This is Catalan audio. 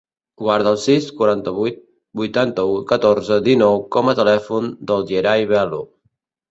Guarda el sis, quaranta-vuit, vuitanta-u, catorze, dinou com a telèfon del Yeray Velo.